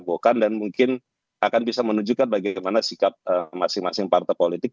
bukan dan mungkin akan bisa menunjukkan bagaimana sikap masing masing partai politik